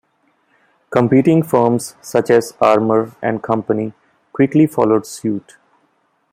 Competing firms such as Armour and Company quickly followed suit.